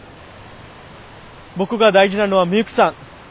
僕が大事なのはミユキさん。